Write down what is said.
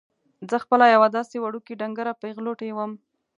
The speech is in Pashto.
زه خپله یوه داسې وړوکې ډنګره پېغلوټې وم.